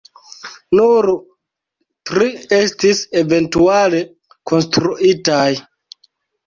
Nur tri estis eventuale konstruitaj.